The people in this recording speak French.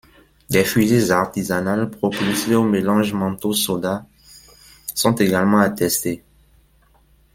Des fusées artisanales propulsées au mélange mentos-soda sont également attestées.